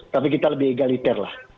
tapi kita lebih egaliter lah